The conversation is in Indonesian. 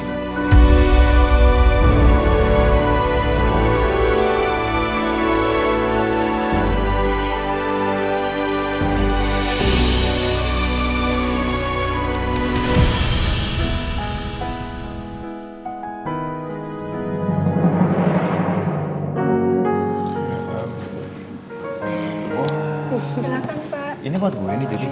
karena saya mau menyenangkan hati mereka